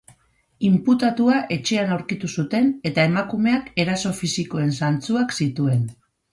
Inputatua etxean aurkitu zuten eta emakumeak eraso fisikoen zantzuak zituen.